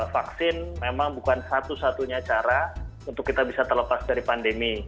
vaksin memang bukan satu satunya cara untuk kita bisa terlepas dari pandemi